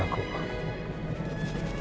atau berpikir aku jahat